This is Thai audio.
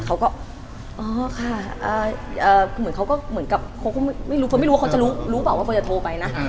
อ๋อค่ะเหมือนเค้าก็เหมือนกับเฟิร์นไม่รู้ว่าเค้าจะรู้รู้บอกว่าเฟิร์นจะโทรไปนะ